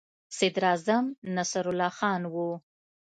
صدراعظم نصرالله خان وو.